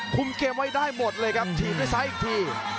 คุมเกมไว้ได้หมดเลยครับทีมได้ซ้ายอีกที